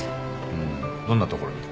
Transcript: うんどんなところに？